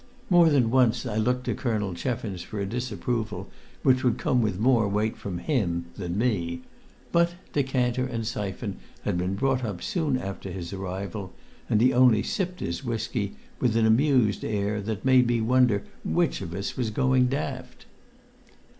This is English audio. More than once I looked to Colonel Cheffins for a disapproval which would come with more weight from him than me; but decanter and syphon had been brought up soon after his arrival, and he only sipped his whisky with an amused air that made me wonder which of us was going daft.